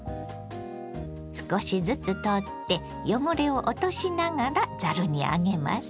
少しずつ取って汚れを落としながらざるに上げます。